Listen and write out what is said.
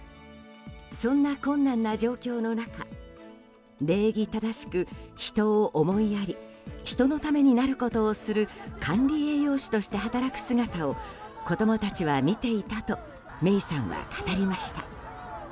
そんな困難な状況の中礼儀正しく人を思いやり人のためになることをする管理栄養士として働く姿を子供たちは見ていたとメイさんは語りました。